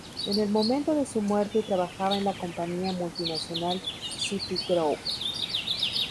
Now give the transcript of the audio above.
En el momento de su muerte trabajaba en la compañía multinacional Citigroup.